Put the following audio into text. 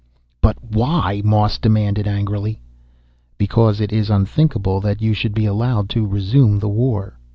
"But why?" Moss demanded angrily. "Because it is unthinkable that you should be allowed to resume the war.